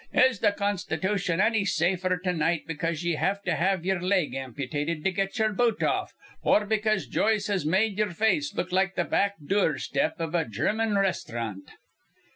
Is th' Constitution anny safer to night because ye have to have ye'er leg amputated to get ye'er boot off, or because Joyce has made ye'er face look like th' back dure step iv a German resthrant?